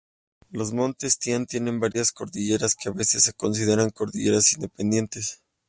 Los montes Tian tienen varias cordilleras que a veces se consideran cordilleras independientes.